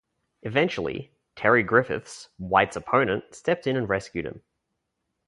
Eventually, Terry Griffiths, White's opponent, stepped in and rescued him.